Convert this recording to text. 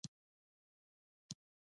مصنوعي ځیرکتیا د حکومتدارۍ وسایل پیاوړي کوي.